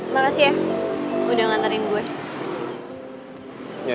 makasih ya udah nganterin gue